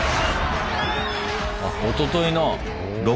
あっおとといの。